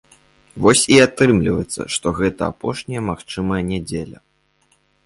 Вось і атрымліваецца, што гэта апошняя магчымая нядзеля.